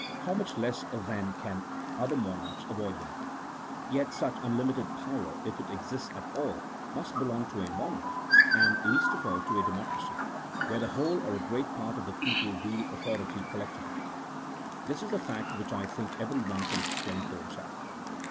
How much less then can other monarchs avoid them ! Yet such unlimited power, if it exists at all, must belong to a monarch, and 258 A THEOLOGICO POLITICAL TREATISE. [CHAP. XX. least of all to a democracy, where the whole or a great part of the people wield authority collectively. This is a fact which I think everyone can explain for himself.